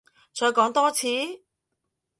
再講多次？